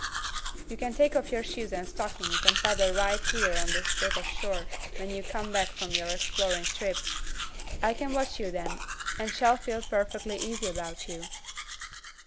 "You can take off your shoes and stockings and paddle right here on this bit of shore when you come back from your exploring trip. I can watch you then, and shall feel perfectly easy about you."